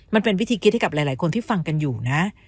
มันเป็นวิธีคิดให้กับหลายคนที่ฟังกันอยู่นะ